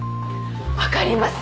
分かります。